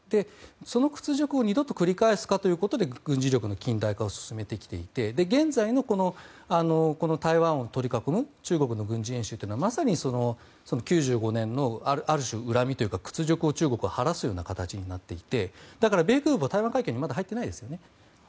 その屈辱を二度と繰り返すかということで軍事力の近代化を進めてきていて現在の台湾を取り囲む中国の軍事演習はまさに９５年のある種、恨みというか屈辱を中国は晴らすようになってきていてだから、米空母は台湾海峡にまだ入っていないですよね。